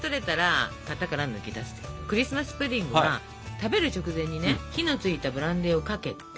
クリスマス・プディングは食べる直前にね火のついたブランデーをかけて。